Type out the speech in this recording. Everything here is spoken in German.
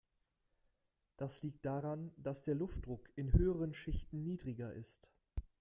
Das liegt daran, dass der Luftdruck in höheren Schichten niedriger ist.